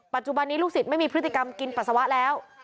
ปัจจุบันนี้ลูกศิษย์ไม่มีพฤติกรรมกินปัสสาวะแล้ว